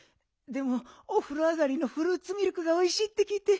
でもおふろ上がりのフルーツミルクがおいしいってきいて。